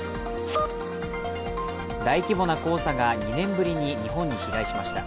大規模な黄砂が２年ぶりに日本に飛来しました。